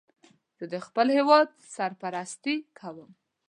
زه د خپل هېواد سرپرستی کوم